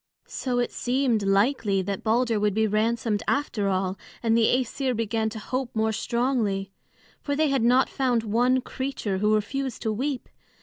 So it seemed likely that Balder would be ransomed after all, and the Æsir began to hope more strongly. For they had not found one creature who refused to weep.